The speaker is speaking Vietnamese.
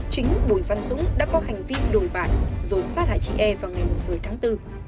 chính bùi văn dũng đã có hành vi đổi bại dột sát lại chị e vào ngày một mươi tháng bốn